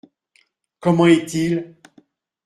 Comment est-il ?